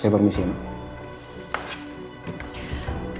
saya permisi mbak